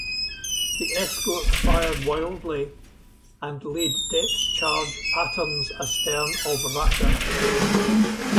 The escorts fired wildly and laid depth charge patterns astern of "Rasher".